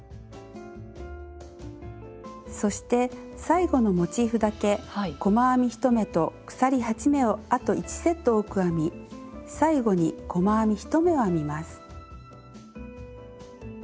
そして最後のモチーフだけ細編み１目と鎖８目をあと１セット多く編み最後に細編み１目を編みます。